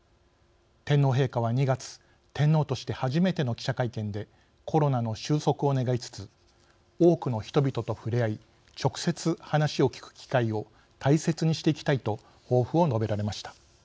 天皇陛下は、２月天皇として初めての記者会見でコロナの収束を願いつつ「多くの人々と触れ合い直接話を聞く機会を大切にしていきたい」と抱負を述べられました。